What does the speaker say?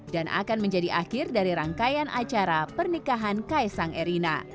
dan akan menjadi akhir dari rangkaian acara pernikahan kaisang erina